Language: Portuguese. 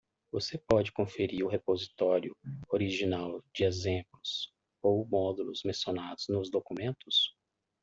Você pode conferir o repositório original de exemplos ou módulos mencionados nos documentos.